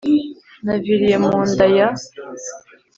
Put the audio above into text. Naviriye mu nda ya